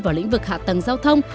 vào lĩnh vực hạ tầng giao thông